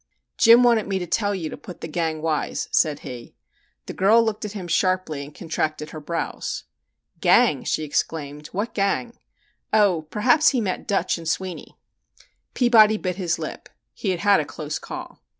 "Jim wanted me to tell you to put the gang 'wise,'" said he. The girl looked at him sharply and contracted her brows. "Gang?" she exclaimed. "What gang? Oh, perhaps he meant 'Dutch' and 'Sweeney.'" Peabody bit his lip. He had had a close call.